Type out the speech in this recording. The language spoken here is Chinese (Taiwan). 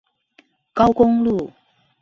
高工路